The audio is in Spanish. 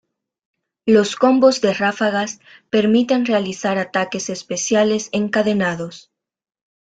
Los Combos de Ráfagas permite realizar ataques especiales encadenados.